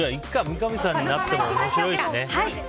三上さんになっても面白いしね。